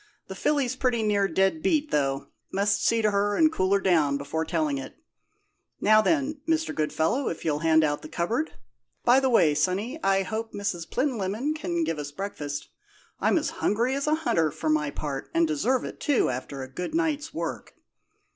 "The filly's pretty near dead beat, though must see to her and cool her down before telling it. Now, then, Mr. Goodfellow, if you'll hand out the cupboard. By the way, sonny, I hope Miss Plinlimmon can give us breakfast. I'm as hungry as a hunter, for my part, and deserve it, too, after a good night's work.